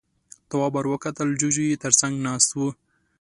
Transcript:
تواب ور وکتل، جُوجُو يې تر څنګ ناست و.